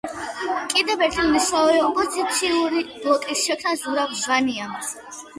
კიდევ ერთი მნიშვნელოვანი ოპოზიციური ბლოკი შექმნა ზურაბ ჟვანიამ.